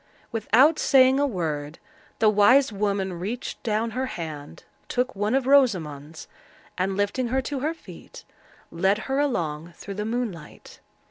Without saying a word, the wise woman reached down her hand, took one of Rosamond's, and, lifting her to her feet, led her along through the moonlight.